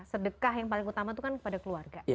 sedekah yang paling utama itu kan kepada keluarga